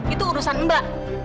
itu urusan mbak